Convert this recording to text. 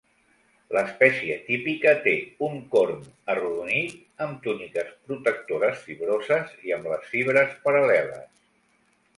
L'espècie típica té un corm arrodonit, amb túniques protectores fibroses i amb les fibres paral·leles.